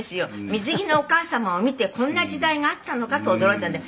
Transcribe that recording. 「水着のお母様を見てこんな時代があったのかと驚いたんで。